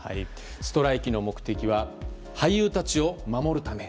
ストライキの目的は俳優たちを守るため。